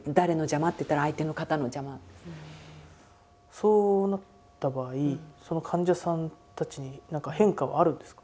そうなった場合その患者さんたちに何か変化はあるんですか？